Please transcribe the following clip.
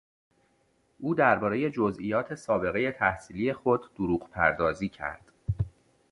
او دربارهی جزییات سابقهی تحصیلی خود دروغ پردازی کرد.